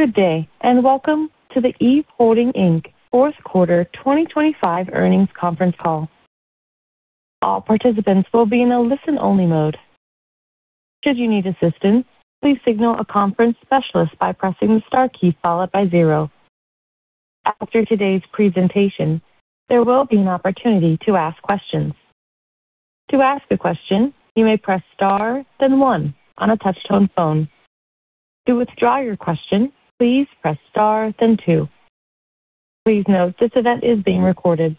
Good day, and welcome to the Eve Holding, Inc. Q4 2025 earnings conference call. All participants will be in a listen-only mode. Should you need assistance, please signal a conference specialist by pressing the star key followed by zero. After today's presentation, there will be an opportunity to ask questions. To ask a question, you may press star, then one on a touch-tone phone. To withdraw your question, please press star, then two. Please note this event is being recorded.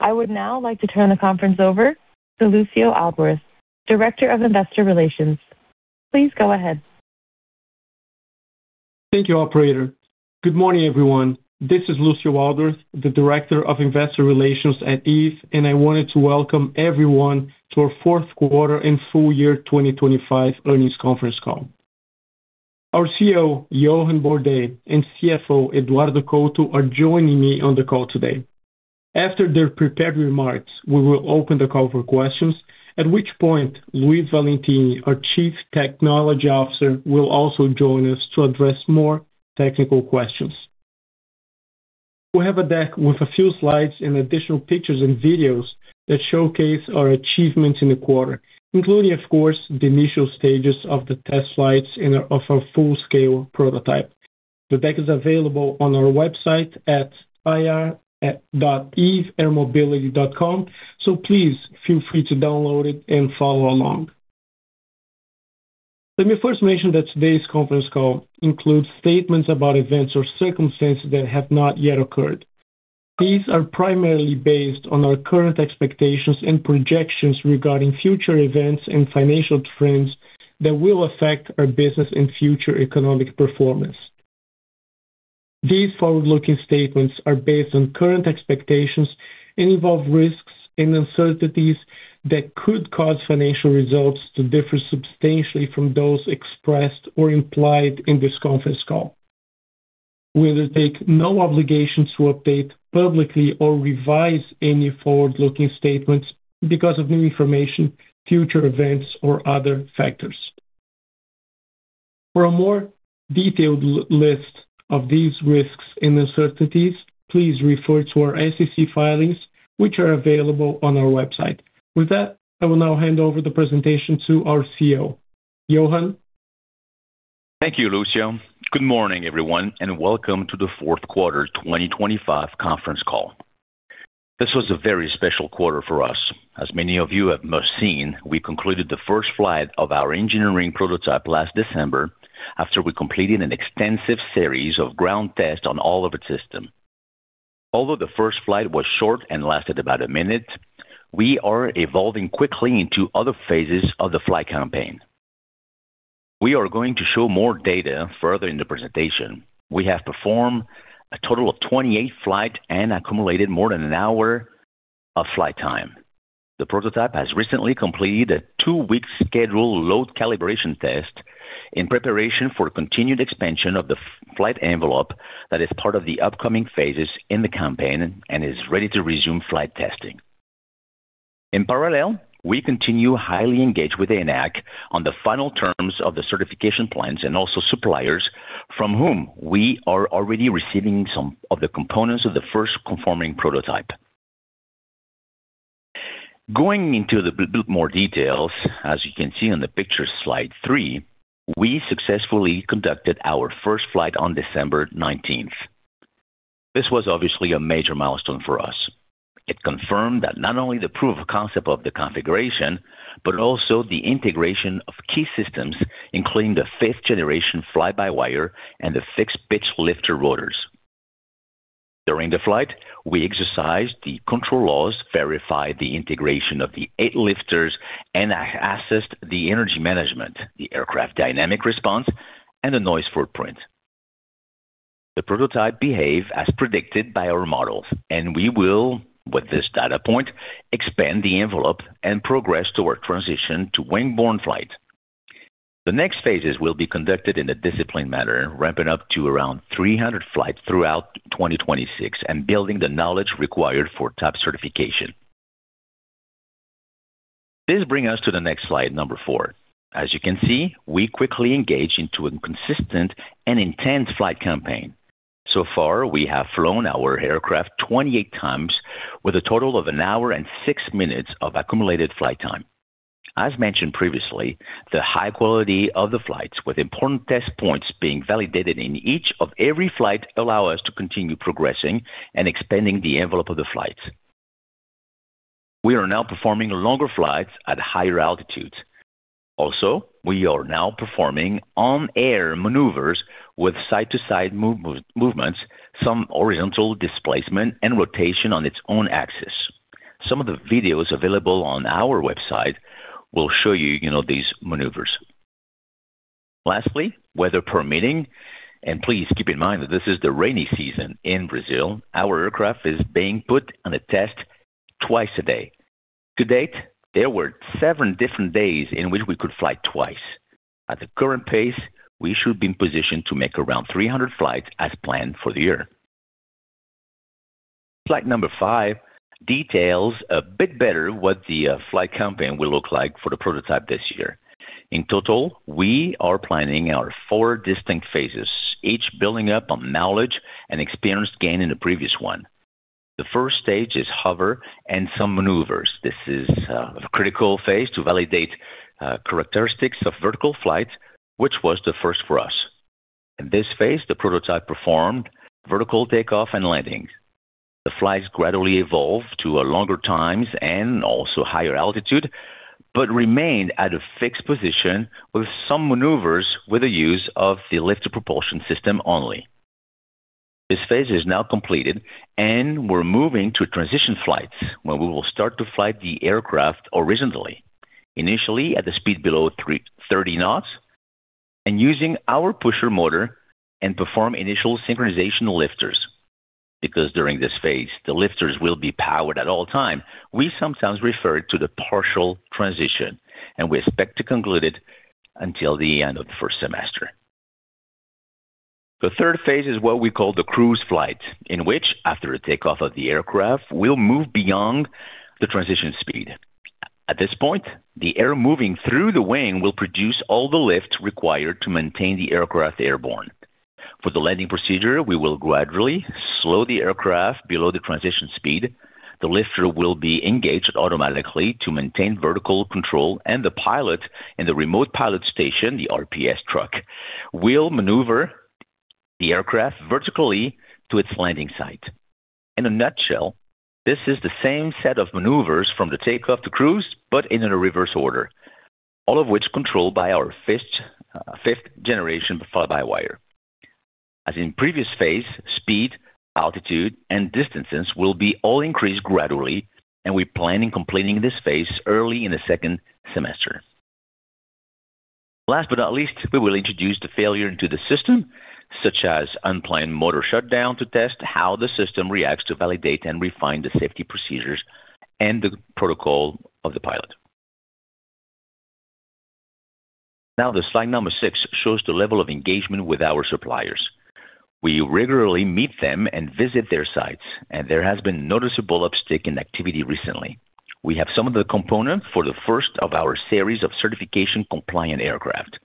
I would now like to turn the conference over to Lucio Aldworth, Director of Investor Relations. Please go ahead. Thank you, operator. Good morning, everyone. This is Lucio Aldworth, the Director of Investor Relations at Eve, and I wanted to welcome everyone to our Q4 and full year 2025 earnings conference call. Our CEO, Johann Bordais, and CFO, Eduardo Couto, are joining me on the call today. After their prepared remarks, we will open the call for questions, at which point Luiz Valentini, our Chief Technology Officer, will also join us to address more technical questions. We have a deck with a few slides and additional pictures and videos that showcase our achievements in the quarter, including, of course, the initial stages of the test flights and of our full-scale prototype. The deck is available on our website at ir.eveairmobility.com, so please feel free to download it and follow along. Let me first mention that today's conference call includes statements about events or circumstances that have not yet occurred. These are primarily based on our current expectations and projections regarding future events and financial trends that will affect our business and future economic performance. These forward-looking statements are based on current expectations and involve risks and uncertainties that could cause financial results to differ substantially from those expressed or implied in this conference call. We will take no obligation to update publicly or revise any forward-looking statements because of new information, future events, or other factors. For a more detailed list of these risks and uncertainties, please refer to our SEC filings, which are available on our website. With that, I will now hand over the presentation to our CEO, Johann. Thank you, Lucio. Good morning, everyone, and welcome to the Q4 2025 conference call. This was a very special quarter for us. As many of you must have seen, we concluded the first flight of our engineering prototype last December after we completed an extensive series of ground tests on all of its systems. Although the first flight was short and lasted about a minute, we are evolving quickly into other phases of the flight campaign. We are going to show more data further in the presentation. We have performed a total of 28 flights and accumulated more than an hour of flight time. The prototype has recently completed a two week scheduled load calibration test in preparation for continued expansion of the flight envelope that is part of the upcoming phases in the campaign and is ready to resume flight testing. In parallel, we continue highly engaged with ANAC on the final terms of the certification plans and also suppliers from whom we are already receiving some of the components of the first conforming prototype. Going into a bit more details, as you can see on the picture slide three, we successfully conducted our first flight on 19 December. This was obviously a major milestone for us. It confirmed that not only the proof of concept of the configuration, but also the integration of key systems, including the fifth generation fly-by-wire and the fixed pitch lifter rotors. During the flight, we exercised the control laws, verified the integration of the eight lifters, and assessed the energy management, the aircraft dynamic response, and the noise footprint. The prototype behaved as predicted by our models, and we will, with this data point, expand the envelope and progress toward transition to wing borne flight. The next phases will be conducted in a disciplined manner, ramping up to around 300 flights throughout 2026 and building the knowledge required for type certification. This brings us to the next slide, number four. As you can see, we quickly engage into a consistent and intense flight campaign. So far, we have flown our aircraft 28 times with a total of one hour and six minutes of accumulated flight time. As mentioned previously, the high quality of the flights with important test points being validated in each and every flight allow us to continue progressing and expanding the envelope of the flights. We are now performing longer flights at higher altitudes. We are now performing in-air maneuvers with side-to-side movements, some horizontal displacement and rotation on its own axis. Some of the videos available on our website will show you know, these maneuvers. Lastly, weather permitting, and please keep in mind that this is the rainy season in Brazil, our aircraft is being put to the test twice a day. To date, there were seven different days in which we could fly twice. At the current pace, we should be in position to make around 300 flights as planned for the year. Slide number five details a bit better what the flight campaign will look like for the prototype this year. In total, we are planning four distinct phases, each building up on knowledge and experience gained in the previous one. The first stage is hover and some maneuvers this is a critical phase to validate characteristics of vertical flight, which was the first for us. In this phase, the prototype performed vertical takeoff and landing. The flights gradually evolved to longer times and also higher altitude, but remained at a fixed position with some maneuvers with the use of the lifter propulsion system only. This phase is now completed, and we're moving to transition flights where we will start to fly the aircraft originally. Initially at the speed below 30 knots and using our pusher motor and perform initial synchronization lifters. Because during this phase, the lifters will be powered at all time, we sometimes refer to the partial transition, and we expect to conclude it until the end of the first semester. The third phase is what we call the cruise flight, in which after a takeoff of the aircraft, we'll move beyond the transition speed. At this point, the air moving through the wing will produce all the lift required to maintain the aircraft airborne. For the landing procedure, we will gradually slow the aircraft below the transition speed. The lifter will be engaged automatically to maintain vertical control, and the pilot in the remote pilot station, the RPS truck, will maneuver the aircraft vertically to its landing site. In a nutshell, this is the same set of maneuvers from the takeoff to cruise, but in a reverse order, all of which controlled by our fifth-generation fly-by-wire. As in previous phase, speed, altitude, and distances will be all increased gradually, and we're planning completing this phase early in the second semester. Last but not least, we will introduce the failure into the system, such as unplanned motor shutdown, to test how the system reacts to validate and refine the safety procedures and the protocol of the pilot. Now the slide number six shows the level of engagement with our suppliers. We regularly meet them and visit their sites, and there has been noticeable uptick in activity recently. We have some of the components for the first of our series of certification-compliant aircraft.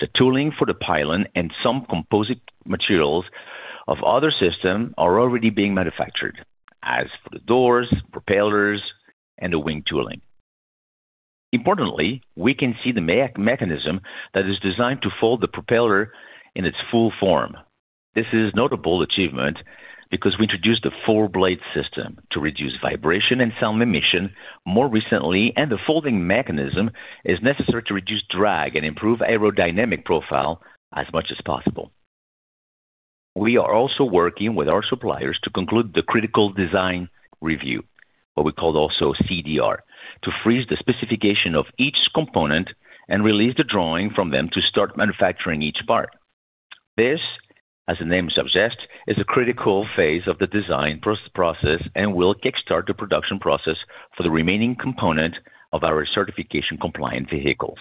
The tooling for the pylon and some composite materials of other system are already being manufactured, as for the doors, propellers, and the wing tooling. Importantly, we can see the mechanism that is designed to fold the propeller in its full form. This is notable achievement because we introduced the 4-blade system to reduce vibration and sound emission more recently, and the folding mechanism is necessary to reduce drag and improve aerodynamic profile as much as possible. We are also working with our suppliers to conclude the critical design review, what we call also CDR, to freeze the specification of each component and release the drawing from them to start manufacturing each part. This, as the name suggests, is a critical phase of the design process and will kickstart the production process for the remaining component of our certification-compliant vehicles.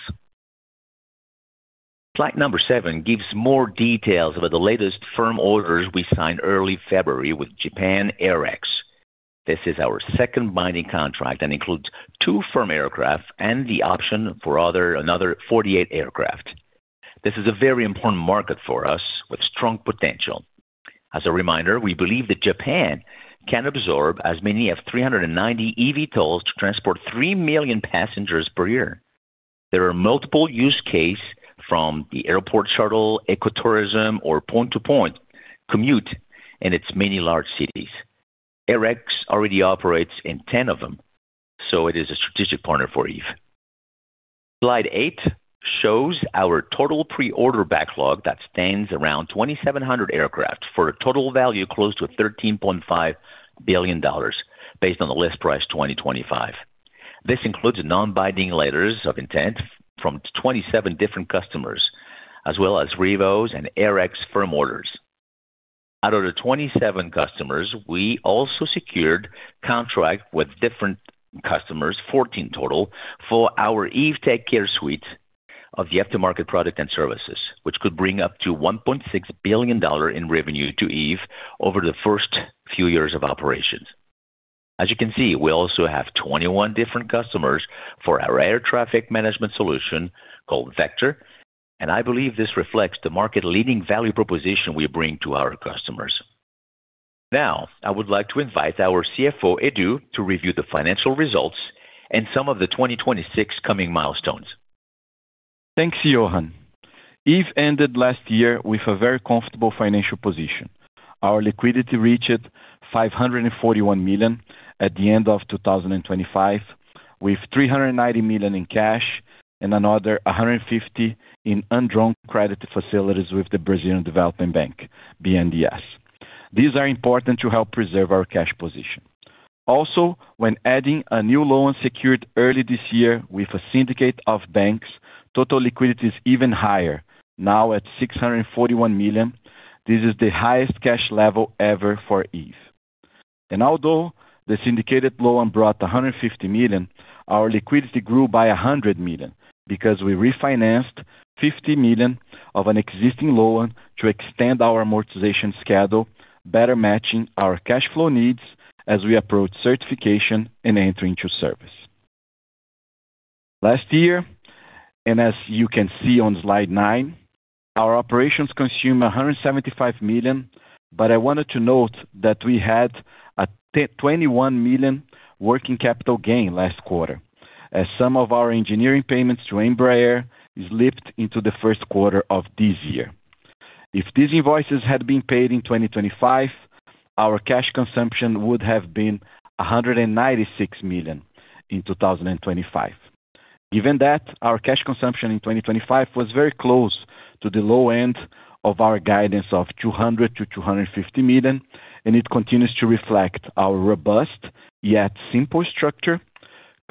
Slide number seven gives more details about the latest firm orders we signed early February with AirX. This is our second binding contract and includes two firm aircraft and the option for another 48 aircraft. This is a very important market for us with strong potential. As a reminder, we believe that Japan can absorb as many as 390 eVTOLs to transport 3 million passengers per year. There are multiple use case from the airport shuttle, ecotourism, or point-to-point commute in its many large cities. AirX already operates in 10 of them, so it is a strategic partner for Eve. Slide eight shows our total pre-order backlog that stands around 2,700 aircraft for a total value close to $13.5 billion based on the list price 2025. This includes non-binding letters of intent from 27 different customers, as well as Revo's and AirX firm orders. Out of the 27 customers, we also secured contract with different customers, 14 total, for our Eve TechCare suite of the aftermarket product and services, which could bring up to $1.6 billion in revenue to Eve over the first few years of operations. As you can see, we also have 21 different customers for our air traffic management solution called Vector, and I believe this reflects the market-leading value proposition we bring to our customers. Now, I would like to invite our CFO, Eduardo, to review the financial results and some of the 2026 coming milestones. Thanks, Johann. Eve ended last year with a very comfortable financial position. Our liquidity reached $541 million at the end of 2025, with $390 million in cash and another $150 in undrawn credit facilities with the Brazilian Development Bank, BNDES. These are important to help preserve our cash position. Also, when adding a new loan secured early this year with a syndicate of banks, total liquidity is even higher. Now at $641 million, this is the highest cash level ever for Eve. The syndicated loan brought $150 million. Our liquidity grew by $100 million because we refinanced $50 million of an existing loan to extend our amortization schedule, better matching our cash flow needs as we approach certification and entry into service. Last year, as you can see on slide nine, our operations consume $175 million. I wanted to note that we had a $21 million working capital gain last quarter, as some of our engineering payments to Embraer slipped into the Q1 of this year. If these invoices had been paid in 2025, our cash consumption would have been $196 million in 2025. Given that, our cash consumption in 2025 was very close to the low end of our guidance of $200 to 250 million, and it continues to reflect our robust yet simple structure,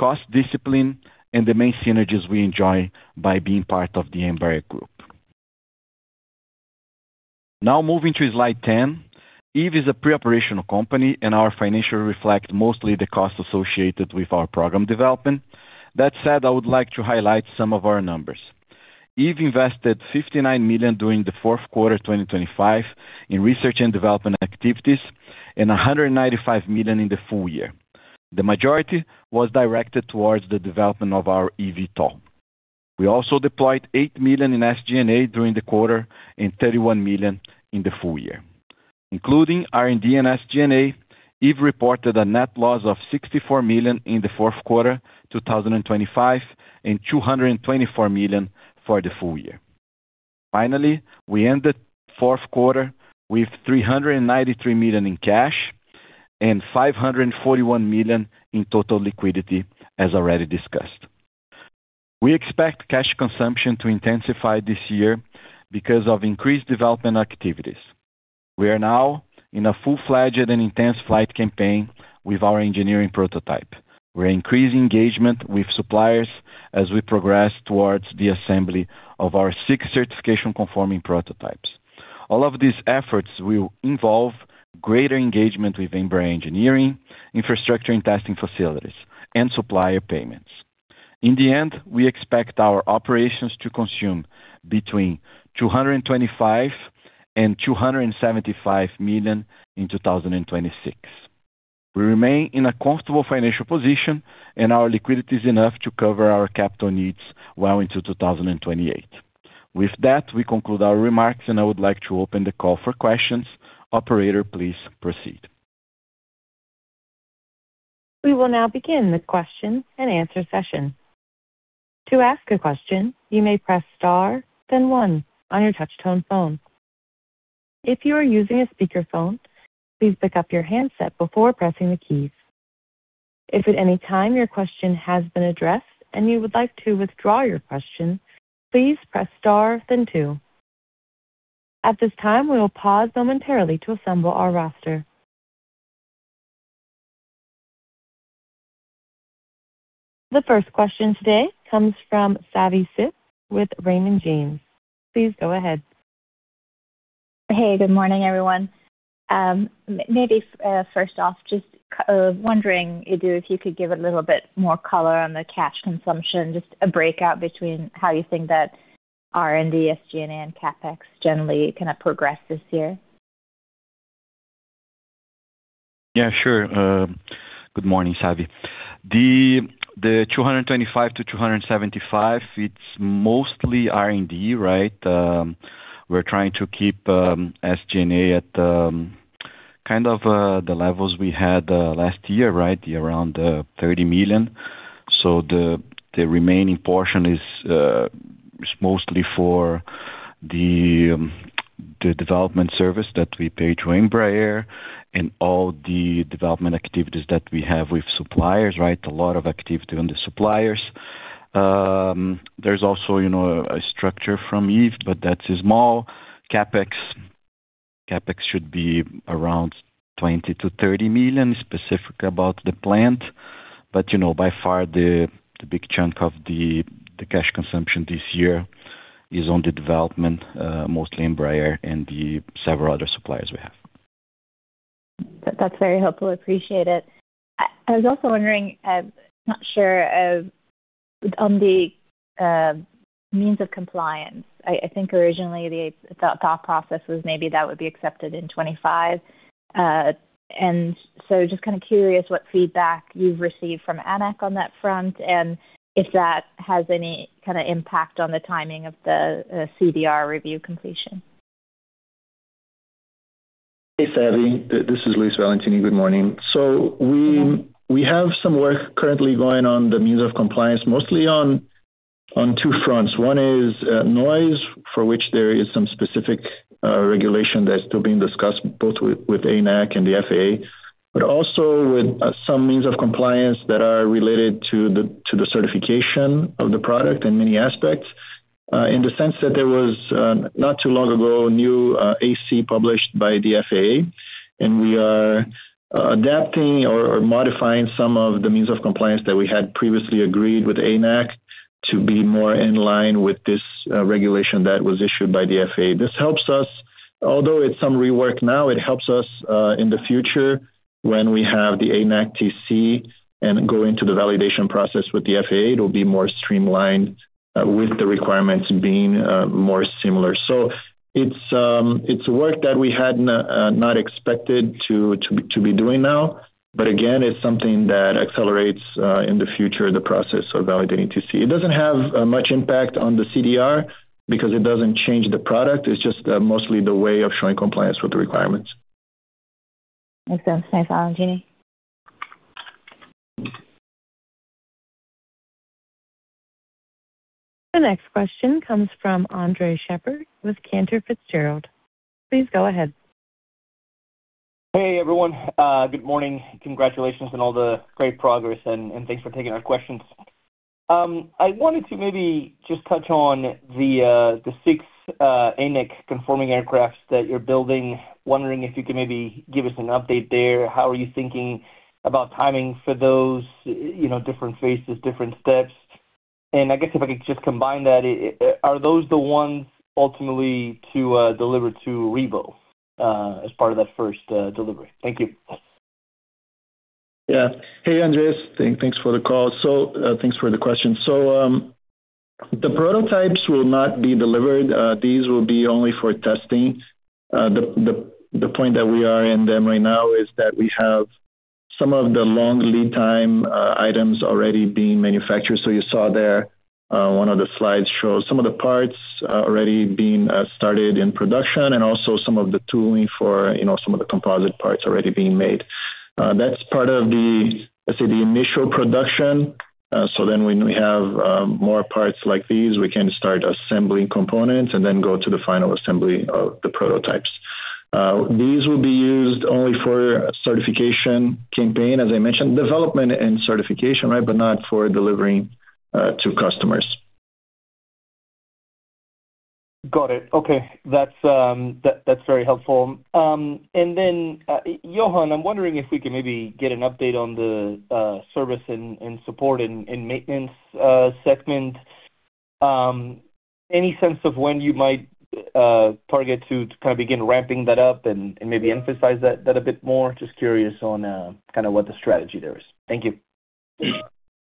cost discipline, and the main synergies we enjoy by being part of the Embraer Group. Now moving to slide 10. Eve is a pre-operational company, and our financials reflect mostly the costs associated with our program development. That said, I would like to highlight some of our numbers. Eve invested $59 million during the Q4 2025 in research and development activities and $195 million in the full year. The majority was directed towards the development of our eVTOL. We also deployed $8 million in SG&A during the quarter and $31 million in the full year. Including R&D and SG&A, Eve reported a net loss of $64 million in the Q4 2025 and $224 million for the full year. Finally, we ended Q4 with $393 million in cash and $541 million in total liquidity, as already discussed. We expect cash consumption to intensify this year because of increased development activities. We are now in a full-fledged and intense flight campaign with our engineering prototype. We're increasing engagement with suppliers as we progress towards the assembly of our 6 certification-conforming prototypes. All of these efforts will involve greater engagement with Embraer engineering, infrastructure and testing facilities, and supplier payments. In the end, we expect our operations to consume between $225 million and $275 million in 2026. We remain in a comfortable financial position, and our liquidity is enough to cover our capital needs well into 2028. With that, we conclude our remarks, and I would like to open the call for questions. Operator, please proceed. We will now begin the question-and-answer session. To ask a question, you may press star, then one on your touch tone phone. If you are using a speakerphone, please pick up your handset before pressing the keys. If at any time your question has been addressed and you would like to withdraw your question, please press star then two. At this time, we will pause momentarily to assemble our roster. The first question today comes from Savanthi Syth with Raymond James. Please go ahead. Hey, good morning, everyone. Maybe first off, just wondering, Eduardo, if you could give a little bit more color on the cash consumption, just a breakout between how you think that R&D, SG&A, and CapEx generally gonna progress this year. Yeah, sure. Good morning, Savi. The $225 to 275 million, it's mostly R&D, right? We're trying to keep SG&A at kind of the levels we had last year, right? Around $30 million. The remaining portion is mostly for the development service that we pay to Embraer and all the development activities that we have with suppliers, right? A lot of activity on the suppliers. There's also, you know, a structure from Eve, but that is small. CapEx should be around $20 to 30 million specific about the plant. You know, by far the big chunk of the cash consumption this year is on the development, mostly Embraer and the several other suppliers we have. That's very helpful appreciate it. I was also wondering, not sure on the means of compliance. I think originally the thought process was maybe that would be accepted in 2025. Just kind of curious what feedback you've received from ANAC on that front and if that has any kind of impact on the timing of the CDR review completion. Hey, Savi. This is Luiz Valentini good morning. We have some work currently going on the means of compliance, mostly on two fronts one is noise for which there is some specific regulation that is still being discussed both with ANAC and the FAA, but also with some means of compliance that are related to the certification of the product in many aspects, in the sense that there was not too long ago a new AC published by the FAA, and we are adapting or modifying some of the means of compliance that we had previously agreed with ANAC. To be more in line with this regulation that was issued by the FAA this helps us. Although it's some rework now, it helps us in the future when we have the ANAC TC and going to the validation process with the FAA, it'll be more streamlined with the requirements being more similar. It's work that we had not expected to be doing now, but again, it's something that accelerates in the future the process of validating TC it doesn't have much impact on the CDR, because it doesn't change the product it's just mostly the way of showing compliance with the requirements. Makes sense. Thanks, Luiz Valentini. Jenny? The next question comes from Andres Sheppard with Cantor Fitzgerald. Please go ahead. Hey, everyone. Good morning. Congratulations on all the great progress, and thanks for taking our questions. I wanted to maybe just touch on the six ANAC conforming aircraft that you're building. Wondering if you could maybe give us an update there. How are you thinking about timing for those, you know, different phases, different steps? I guess if I could just combine that, are those the ones ultimately to deliver to Revo as part of that first delivery? Thank you. Yeah. Hey, Andres. Thanks for the call. Thanks for the question. The prototypes will not be delivered. These will be only for testing. The point that we are in them right now is that we have some of the long lead time items already being manufactured you saw there, one of the slides shows some of the parts already being started in production and also some of the tooling for, you know, some of the composite parts already being made. That's part of the, let's say, the initial production. When we have more parts like these, we can start assembling components and then go to the final assembly of the prototypes. These will be used only for certification campaign, as I mentioned development and certification, right? Not for delivering to customers. Got it. Okay. That's very helpful. Johann, I'm wondering if we can maybe get an update on the service and support and maintenance segment. Any sense of when you might target to kind of begin ramping that up and maybe emphasize that a bit more? Just curious on kind of what the strategy there is. Thank you.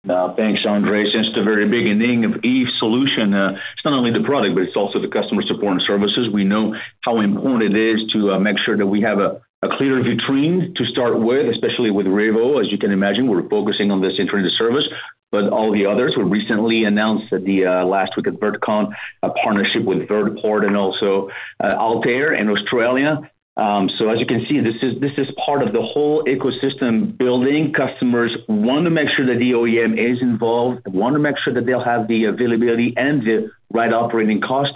Thanks, Andre. Since the very beginning of Eve solution, it's not only the product, but it's also the customer support and services we know how important it is to make sure that we have a clear value chain to start with, especially with Revo. As you can imagine, we're focusing on this entry into service. All the others, we recently announced last week at Verticon, a partnership with Skyports Infrastructure and also Alt Air in Australia. As you can see, this is part of the whole ecosystem building. Customers want to make sure that the OEM is involved. They want to make sure that they'll have the availability and the right operating cost.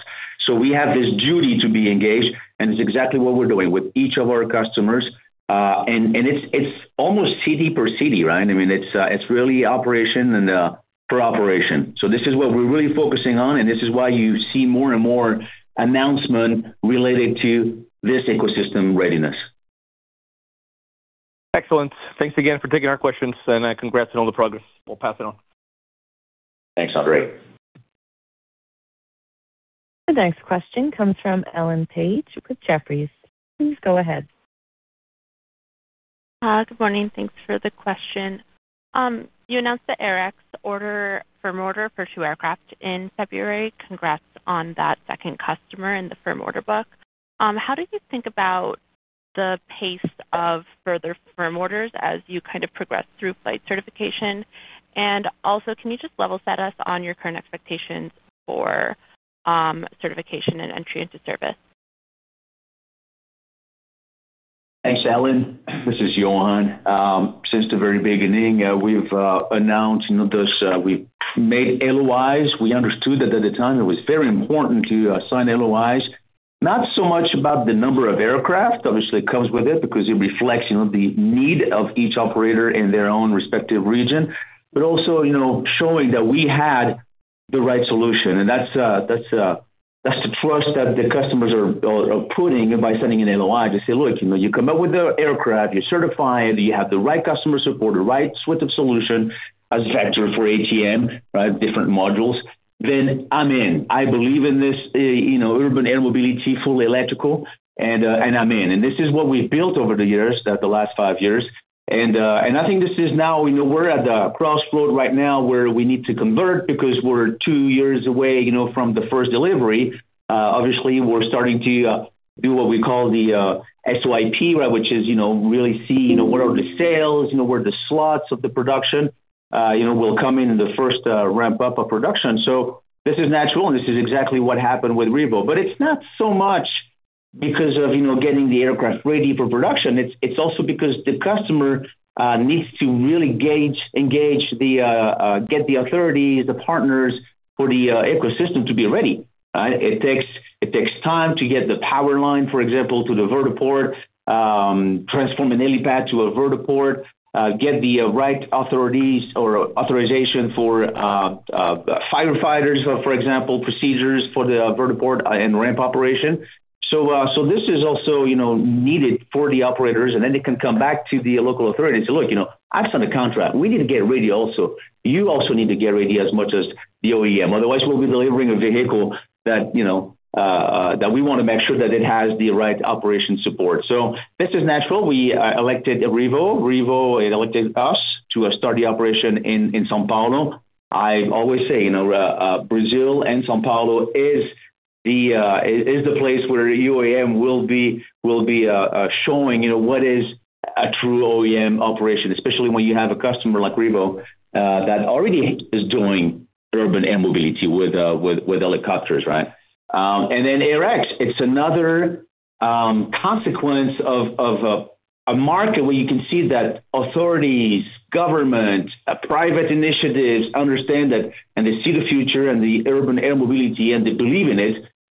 We have this duty to be engaged, and it's exactly what we're doing with each of our customers. It's almost city per city, right? I mean, it's really operation and per operation. This is what we're really focusing on, and this is why you see more and more announcement related to this ecosystem readiness. Excellent. Thanks again for taking our questions, and, congrats on all the progress. We'll pass it on. Thanks, Andre. The next question comes from Ellen Page with Jefferies. Please go ahead. Good morning. Thanks for the question. You announced the AirX order, firm order for two aircraft in February. Congrats on that second customer in the firm order book. How did you think about? the pace of further firm orders as you kind of progress through flight certification? Also, can you just level set us on your current expectations for certification and entry into service? Thanks, Ellen. This is Johann. Since the very beginning, we've announced this, we've made LOIs. We understood that at the time it was very important to sign LOIs, not so much about the number of aircraft, obviously it comes with it because it reflects, you know, the need of each operator in their own respective region. But also, you know, showing that we had the right solution. That's the trust that the customers are putting by sending an LOI to say, "Look, you know, you come up with the aircraft, you certify it, you have the right customer support, the right suite of solution, Vector for ATM, right, different modules, then I'm in. I believe in this, you know, urban air mobility, fully electrical, and I'm in." This is what we've built over the years, the last five years. I think this is now, you know, we're at the crossroad right now where we need to convert because we're two years away, you know, from the first delivery. Obviously, we're starting to do what we call the S&OP, right, which is, you know, really see, you know, what are the sales, you know, where the slots of the production, you know, will come in the first ramp up of production. This is natural, and this is exactly what happened with Revo but it's not so much, because of, you know, getting the aircraft ready for production it's also because the customer- -needs to really get the authorities, the partners for the ecosystem to be ready, right? It takes time to get the power line, for example, to the vertiport, transform a helipad to a vertiport, get the right authorities or authorization for firefighters, for example, procedures for the vertiport and ramp operation. This is also, you know, needed for the operators, and then they can come back to the local authority and say, "Look, you know, I've signed a contract. We need to get ready also. You also need to get ready as much as the OEM, otherwise we'll be delivering a vehicle that we wanna make sure that it has the right operation support." This is natural we selected Revo. Revo, it elected us to start the operation in São Paulo. I always say, you know, Brazil and São Paulo is the place where UAM will be showing, you know, what is a true OEM operation, especially when you have a customer like Revo that already is doing urban air mobility with helicopters, right? AirX, it's another consequence of a market where you can see that authorities, government, private initiatives understand that and they see the future and the urban air mobility,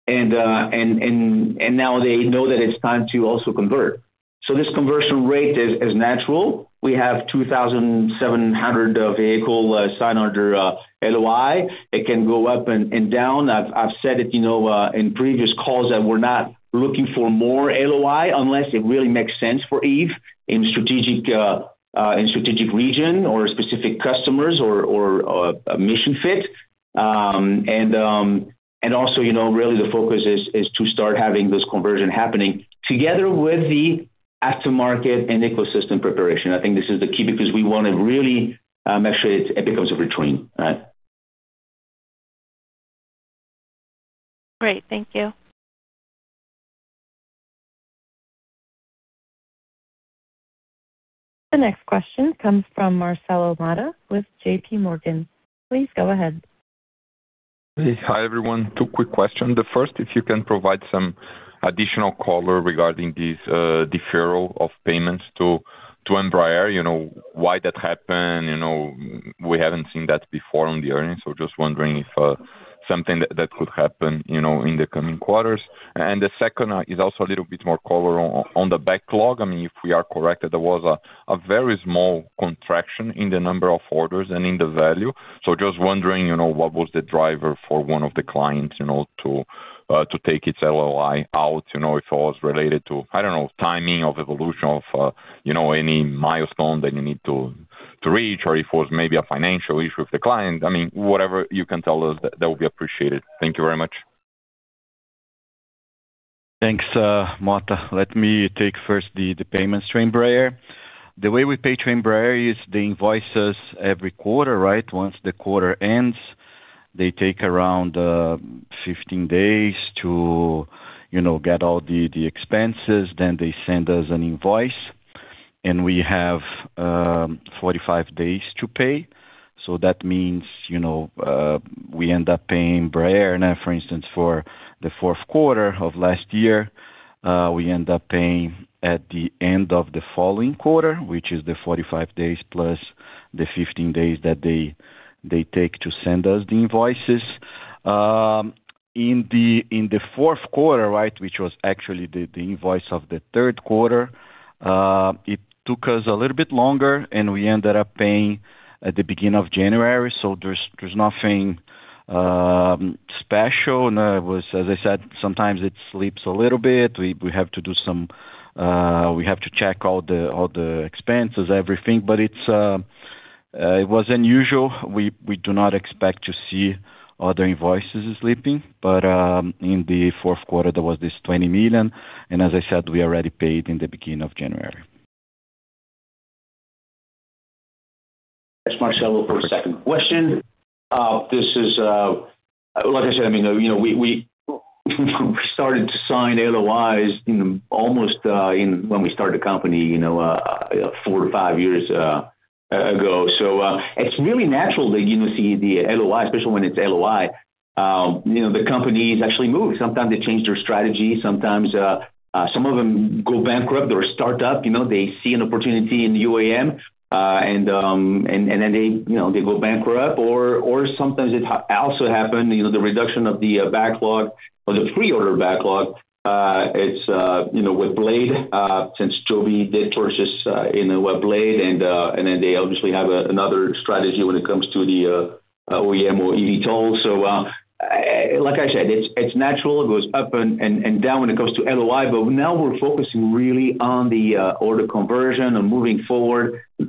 and they believe in it. now they know that it's time to also convert. This conversion rate is natural. We have 2,700 vehicle signed under LOI. It can go up and down i've said it, you know, in previous calls that we're not looking for more LOI unless it really makes sense for Eve in strategic region or specific customers or a mission fit. Also, you know, really the focus is to start having this conversion happening together with the aftermarket and ecosystem preparation i think this is the key because we wanna really make sure it becomes a routine right. Great. Thank you. The next question comes from Marcelo Motta with JP Morgan. Please go ahead. Hi, everyone. Two quick questions the first, if you can provide some additional color regarding this deferral of payments to Embraer, you know, why that happened. You know, we haven't seen that before on the earnings, so just wondering if something that could happen, you know, in the coming quarters. The second is also a little bit more color on the backlog i mean, if we are correct, there was a very small contraction in the number of orders and in the value. Just wondering, you know, what was the driver for one of the clients, you know, to take its LOI out you know, if it was related to, I don't know, timing of evolution of, you know, any milestone that you need to reach or if it was maybe a financial issue with the client. I mean, whatever you can tell us, that would be appreciated. Thank you very much. Thanks, Motta. Let me take first the payments to Embraer. The way we pay to Embraer is they invoice us every quarter, right? Once the quarter ends, they take around 15 days to, you know, get all the expenses, then they send us an invoice, and we have 45 days to pay. That means we end up paying Embraer now, for instance, for the Q4 of last year, we end up paying at the end of the following quarter, which is the 45 days plus the 15 days that they take to send us the invoices. In the Q4, right, which was actually the invoice of the Q3, it took us a little bit longer, and we ended up paying at the beginning of January so there's nothing special. It was, as I said, sometimes it sleeps a little bit. We have to do some, we have to check all the expenses, everything. It was unusual. We do not expect to see other invoices sleeping. In the Q4, there was this $20 million, and as I said, we already paid in the beginning of January. That's Marcelo for a second question. This is, like I said, I mean, you know, we started to sign LOIs, you know, almost when we started the company, you know, four to five years ago. It's really natural that you see the LOI, especially when it's LOI, you know, the companies actually move sometimes they change their strategy sometimes, some of them go bankrupt or start up, you know they see an opportunity in UAM. Then they, you know, they go bankrupt or sometimes it also happen, you know, the reduction of the backlog or the pre-order backlog. It's with Blade, since Joby did purchase, you know, with Blade and then they obviously have another strategy when it comes to the OEM or eVTOL. Like i said, it's natural it goes up and down when it comes to LOI but now we're focusing really on the order conversion and moving forward to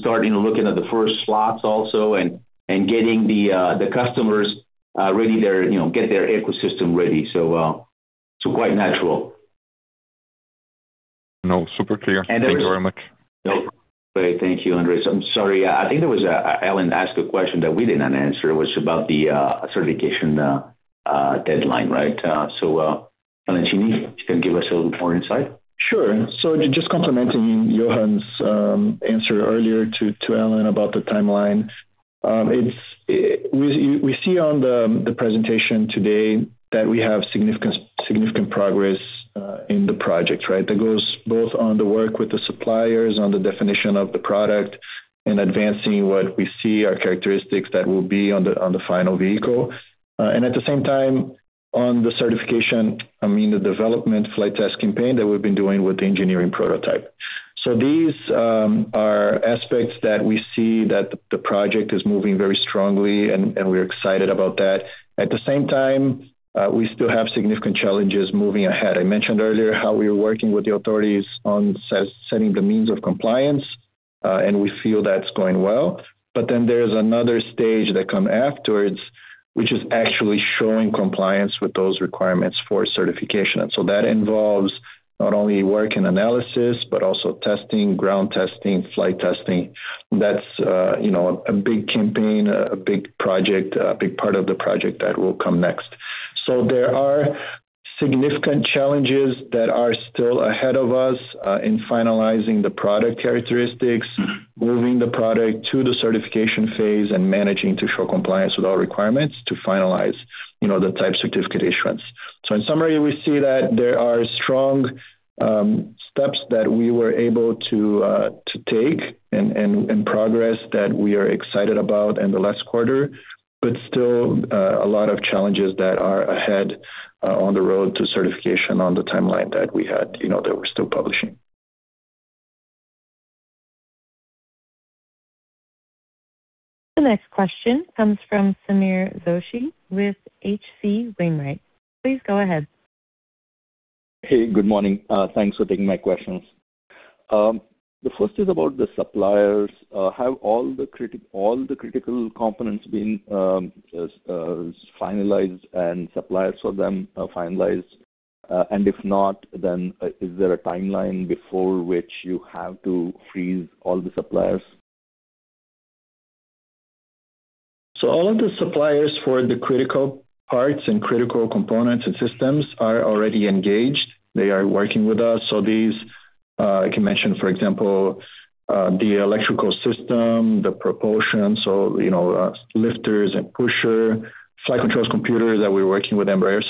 start, you know, looking at the first slots also and getting the customers ready their, you know, get their ecosystem ready. Quite natural. No, super clear. Thank you very much. Great. Thank you, Marcelo. I'm sorry. I think Ellen Page asked a question that we did not answer, which was about the certification deadline, right? Luiz Valentini can give us a little more insight. Sure. Just complementing Johann's answer earlier to Ellen about the timeline. We see on the presentation today that we have significant progress in the project, right? That goes both on the work with the suppliers, on the definition of the product, and advancing what we see are characteristics that will be on the final vehicle. At the same time, on the certification, I mean, the development flight test campaign that we've been doing with the engineering prototype. These are aspects that we see that the project is moving very strongly and we're excited about that. At the same time, we still have significant challenges moving ahead i mentioned earlier how we are working with the authorities on setting the means of compliance, and we feel that's going well. There's another stage that come afterwards, which is actually showing compliance with those requirements for certification. That involves not only work and analysis, but also testing, ground testing, flight testing. That's, you know, a big campaign, a big project, a big part of the project that will come next. There are significant challenges that are still ahead of us, in finalizing the product characteristics, moving the product to the certification phase, and managing to show compliance with our requirements to finalize, you know, the type certificate issuance. In summary, we see that there are strong, steps that we were able to take and progress that we are excited about in the last quarter. Still, a lot of challenges that are ahead, on the road to certification on the timeline that we had, you know, that we're still publishing. The next question comes from Samir Doshi with H.C. Wainwright. Please go ahead. Hey, good morning. Thanks for taking my questions. The first is about the suppliers. Have all the critical components been finalized and suppliers for them finalized? If not, then is there a timeline before which you have to freeze all the suppliers? All of the suppliers for the critical parts and critical components and systems are already engaged. They are working with us. These, I can mention for example, the electrical system, the propulsion. You know, lifters and pushers, flight controls computer that we're working with Embraer.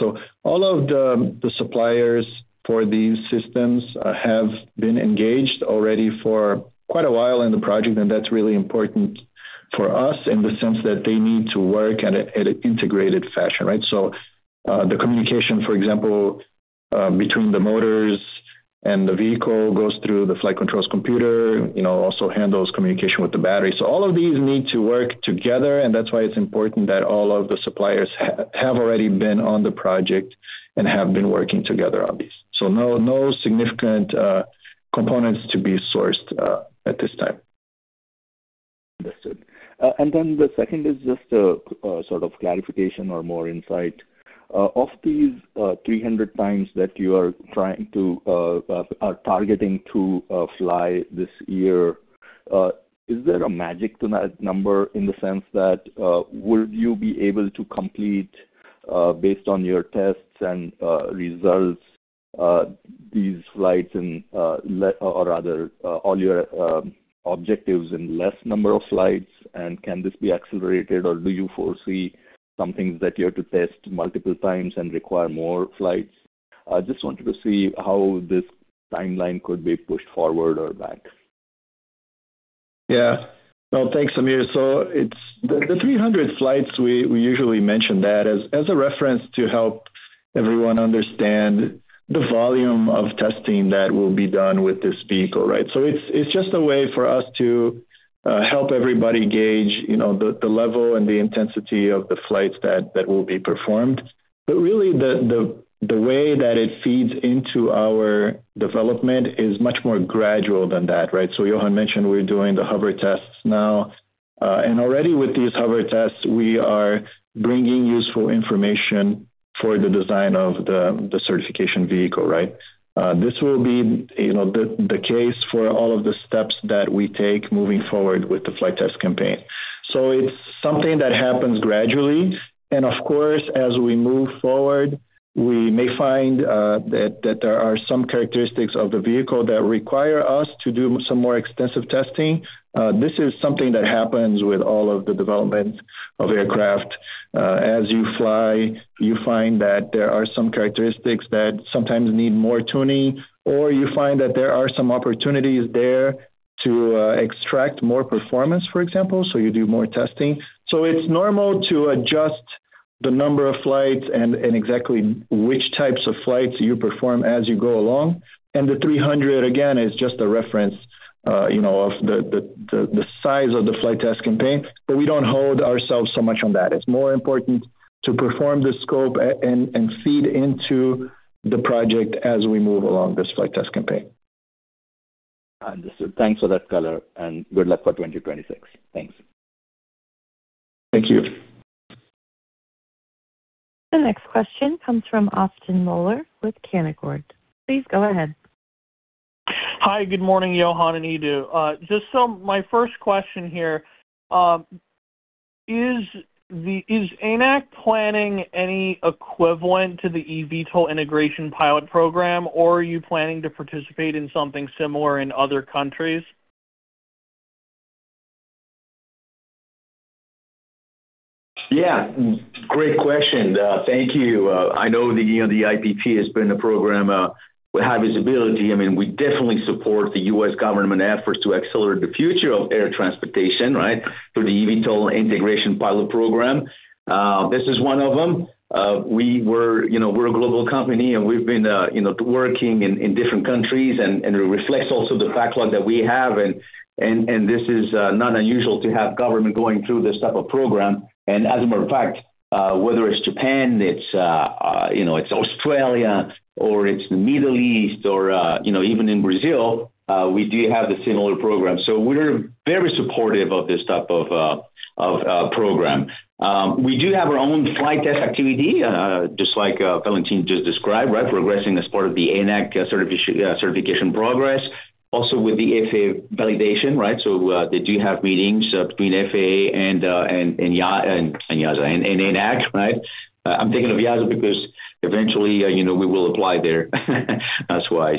All of the suppliers for these systems have been engaged already for quite a while in the project, and that's really important for us in the sense that they need to work at an integrated fashion, right? The communication, for example, between the motors and the vehicle goes through the flight controls computer, you know, also handles communication with the battery so all of these need to work together, and that's why it's important that all of the suppliers have already been on the project and have been working together on these. No significant components to be sourced at this time. Understood. Then the second is just a sort of clarification or more insight. Of these 300 times that you are targeting to fly this year, is there a magic to that number in the sense that would you be able to complete, based on your tests and results, these flights and or rather all your objectives in less number of flights? Can this be accelerated, or do you foresee some things that you have to test multiple times and require more flights? I just wanted to see how this timeline could be pushed forward or back. Yeah. Well, thanks, Samir. It's the 300 flights we usually mention that as a reference to help everyone understand the volume of testing that will be done with this vehicle, right? It's just a way for us to help everybody gauge, you know, the level and the intensity of the flights that will be performed. Really, the way that it feeds into our development is much more gradual than that, right? Johann mentioned we're doing the hover tests now. Already with these hover tests, we are bringing useful information for the design of the certification vehicle, right? This will be, you know, the case for all of the steps that we take moving forward with the flight test campaign. It's something that happens gradually. Of course, as we move forward, we may find that there are some characteristics of the vehicle that require us to do some more extensive testing. This is something that happens with all of the development of aircraft. As you fly, you find that there are some characteristics that sometimes need more tuning, or you find that there are some opportunities there to extract more performance, for example so you do more testing. It's normal to adjust the number of flights and exactly which types of flights you perform as you go along. The 300, again, is just a reference, you know, of the size of the flight test campaign, but we don't hold ourselves so much on that. It's more important to perform the scope and feed into the project as we move along this flight test campaign. Understood. Thanks for that color, and good luck for 2026. Thanks. Thank you. The next question comes from Austin Moeller with Canaccord. Please go ahead. Hi. Good morning, Johann and Eduardo. My first question here is ANAC planning any equivalent to the eVTOL Integration Pilot Program, or are you planning to participate in something similar in other countries? Yeah. Great question. Thank you. I know, you know, the elPP has been a program with high visibility i mean, we definitely support the U.S. government efforts to accelerate the future of air transportation, right, through the eVTOL Integration Pilot Program. This is one of them. You know, we're a global company, and we've been, you know, working in different countries and this is not unusual to have government going through this type of program. As a matter of fact, whether it's Japan, it's Australia or it's the Middle East or, you know, even in Brazil, we do have the similar program. We're very supportive of this type of program. We do have our own flight test activity, just like Valentini just described, right? Progressing as part of the ANAC certification progress, also with the FAA validation, right? They do have meetings between FAA and EASA and ANAC, right? I'm thinking of EASA because eventually, you know, we will apply there. That's why.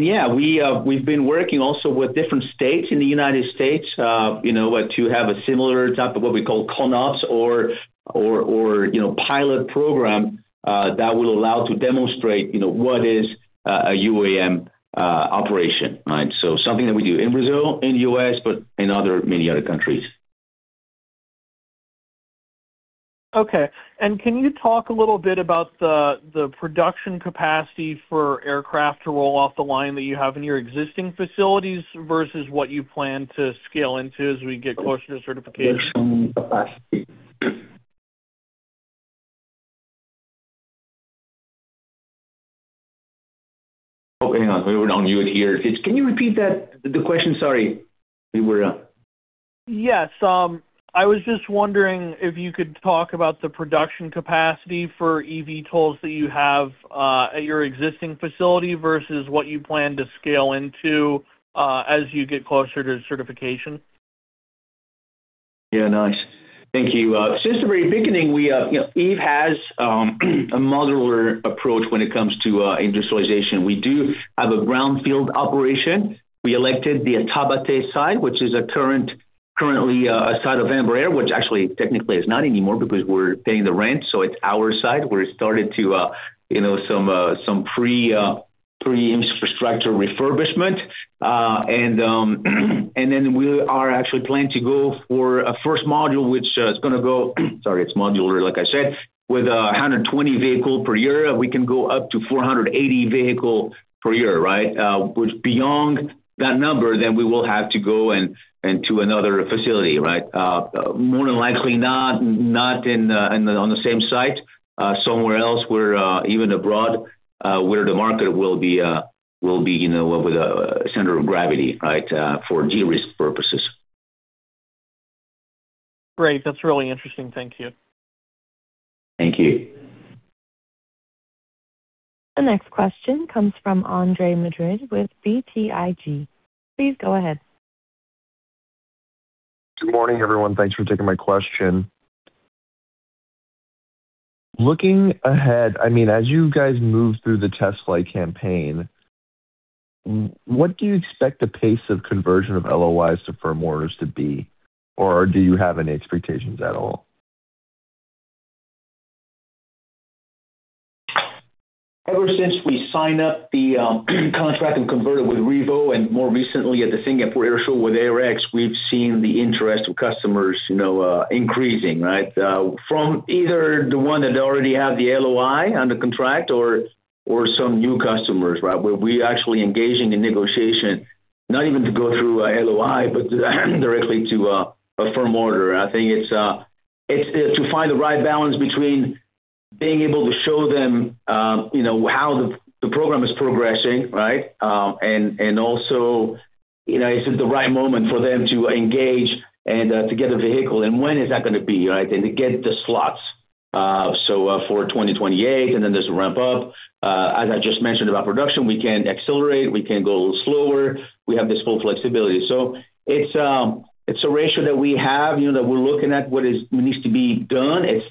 Yeah, we've been working also with different states in the United States, you know, to have a similar type of what we call CONOPS or, you know, pilot program, that will allow to demonstrate, you know, what is a UAM operation, right? Something that we do in Brazil, in the U.S., but in many other countries. Okay. Can you talk a little bit about the production capacity for aircraft to roll off the line that you have in your existing facilities versus what you plan to scale into as we get closer to certification? Production capacity. Oh, hang on. We were on mute here. Can you repeat that? The question. Sorry, we were- Yes. I was just wondering if you could talk about the production capacity for eVTOLs that you have at your existing facility versus what you plan to scale into as you get closer to certification? Yeah, nice. Thank you. Since the very beginning, we, you know, Eve has a modular approach when it comes to industrialization. We do have a brownfield operation. We elected the Taubaté site, which is currently a site of Embraer, which actually technically is not anymore because we're paying the rent, so it's our site. We started to, you know, some pre-infrastructure refurbishment. Then we are actually planning to go for a first module which is gonna go, sorry, it's modular, like I said, with 120 vehicle per year. We can go up to 480 vehicle per year, right? Which beyond that number, then we will have to go and to another facility, right? More than likely not on the same site, somewhere else, even abroad, where the market will be, you know, with a center of gravity, right, for de-risk purposes. Great. That's really interesting. Thank you. Thank you. The next question comes from Andre Madrid with BTIG. Please go ahead. Good morning, everyone. Thanks for taking my question. Looking ahead, I mean, as you guys move through the test flight campaign, what do you expect the pace of conversion of LOIs to firm orders to be, or do you have any expectations at all? Ever since we signed up the contract and converted with Revo and more recently at the Singapore Airshow with AirX, we've seen the interest of customers, you know, increasing, right? From either the one that already have the LOI under contract or some new customers, right? Where we're actually engaging in negotiation, not even to go through a LOI, but directly to a firm order i think it's to find the right balance between being able to show them, you know, how the program is progressing, right? And also, you know, is it the right moment for them to engage and to get a vehicle, and when is that gonna be, right? To get the slots, so for 2028, and then this ramp up. As I just mentioned about production, we can accelerate, we can go a little slower. We have this full flexibility. It's a ratio that we have, you know, that we're looking at what needs to be done it's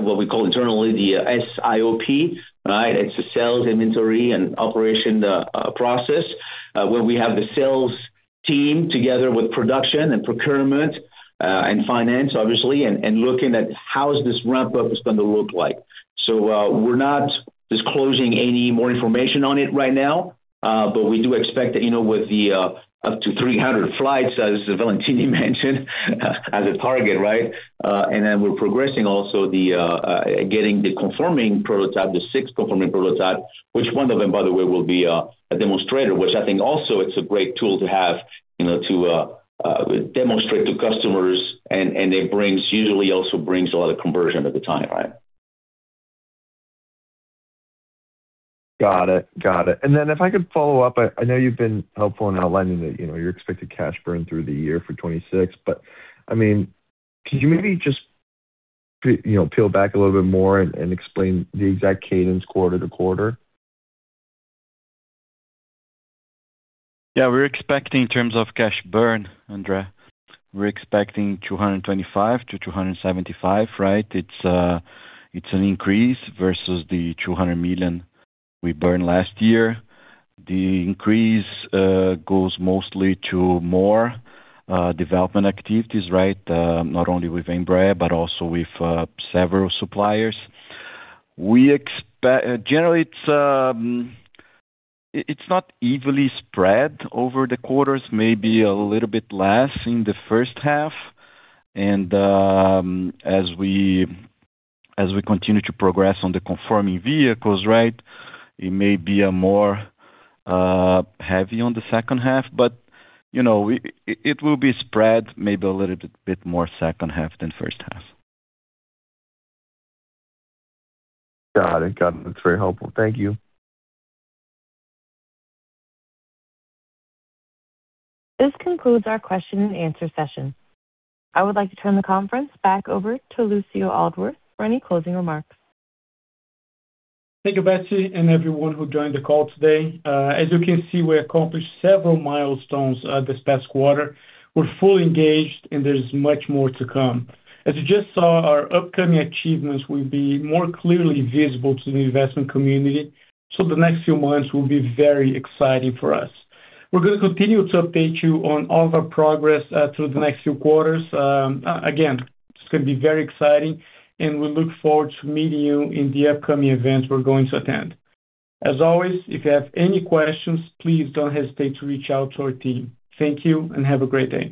what we call internally the SIOP, right? It's the sales, inventory, and operations process. Where we have the sales team together with production and procurement, and finance, obviously, and looking at how this ramp up is gonna look like. We're not disclosing any more information on it right now, but we do expect that, you know, with the up to 300 flights, as Luiz Valentini mentioned, as a target, right? We're progressing also the getting the conforming prototype, the six conforming prototype, which one of them, by the way, will be a demonstrator, which I think also it's a great tool to have, you know, to demonstrate to customers and it brings usually also a lot of conversion at the time. Got it. If I could follow up, I know you've been helpful in outlining the you know, your expected cash burn through the year for 2026, but I mean, could you maybe just you know, peel back a little bit more and explain the exact cadence quarter to quarter? Yeah. We're expecting in terms of cash burn, Andre, we're expecting $225 to 275 million, right? It's an increase versus the $200 million we burned last year. The increase goes mostly to more development activities, right? Not only with Embraer, but also with several suppliers. Generally, it's not evenly spread over the quarters, maybe a little bit less in the first half. As we continue to progress on the conforming vehicles, right? It may be more heavy on the second half, but you know, it will be spread maybe a little bit more second half than first half. Got it. That's very helpful. Thank you. This concludes our question and answer session. I would like to turn the conference back over to Lucio Aldworth for any closing remarks. Thank you, Betsy, and everyone who joined the call today. As you can see, we accomplished several milestones this past quarter. We're fully engaged, and there's much more to come. As you just saw, our upcoming achievements will be more clearly visible to the investment community, so the next few months will be very exciting for us. We're gonna continue to update you on all of our progress through the next few quarters. It's gonna be very exciting, and we look forward to meeting you in the upcoming events we're going to attend. As always, if you have any questions, please don't hesitate to reach out to our team. Thank you and have a great day.